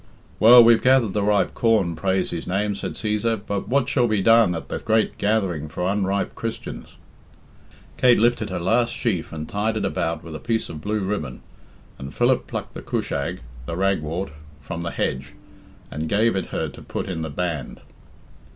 "Well, we've gathered the ripe corn, praise His name," said Cæsar, "but what shall be done at the great gathering for unripe Christians?" Kate lifted her last sheaf and tied it about with a piece of blue ribbon, and Philip plucked the cushag (the ragwort) from the hedge, and gave it her to put in the band.